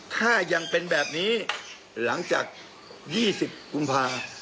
ถ้ายังเป็นแบบนี้หลังจาก๒๐กุมภา